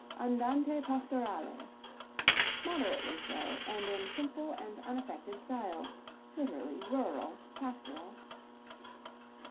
Andante pastorale moderately slow, and in simple and unaffected style; (lit. rural, pastoral).